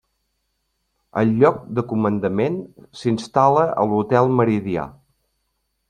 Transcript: El lloc de comandament s'instal·la a l'Hotel Meridià.